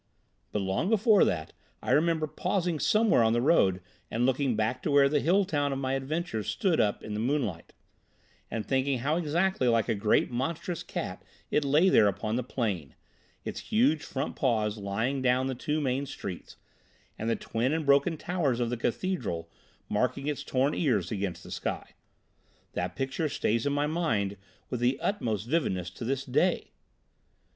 "But, long before that, I remember pausing somewhere on the road and looking back to where the hill town of my adventure stood up in the moonlight, and thinking how exactly like a great monstrous cat it lay there upon the plain, its huge front paws lying down the two main streets, and the twin and broken towers of the cathedral marking its torn ears against the sky. That picture stays in my mind with the utmost vividness to this day.